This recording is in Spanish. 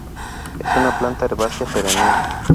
Es una planta herbácea perenne.